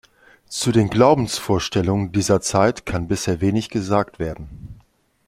Zu den Glaubensvorstellungen dieser Zeit kann bisher wenig gesagt werden.